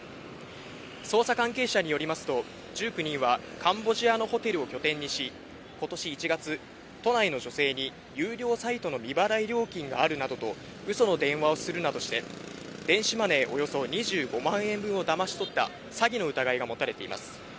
捜査関係者によりますと、１９人はカンボジアのホテルを拠点にし、ことし１月、都内の女性に有料サイトの未払い料金があるなどとうその電話をするなどして、電子マネーおよそ２５万円分をだまし取った、詐欺の疑いが持たれています。